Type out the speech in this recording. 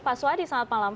pak suhadi selamat malam